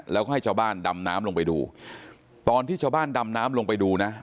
แล้วก็ให้ชาวบ้านดำน้ำลงไปดูตอนที่ชาวบ้านดำน้ำลงไปดูนะ